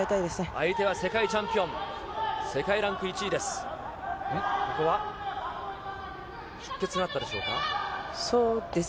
相手は世界チャンピオン、世界ランキング１位です。